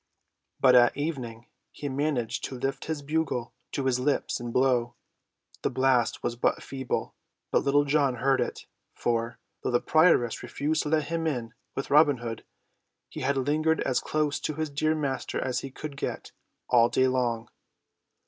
But at evening he managed to lift his bugle to his lips and blow. The blast was but feeble, but Little John heard it, for, though the prioress refused to let him in with Robin Hood, he had lingered as close to his dear master as he could get, all day long.